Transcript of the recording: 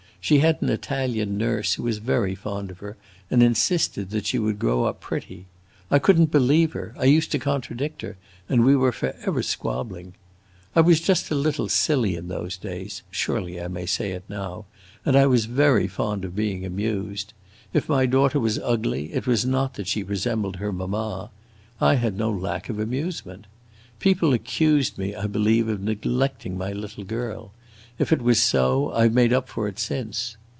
She had an Italian nurse who was very fond of her and insisted that she would grow up pretty. I could n't believe her; I used to contradict her, and we were forever squabbling. I was just a little silly in those days surely I may say it now and I was very fond of being amused. If my daughter was ugly, it was not that she resembled her mamma; I had no lack of amusement. People accused me, I believe, of neglecting my little girl; if it was so, I 've made up for it since.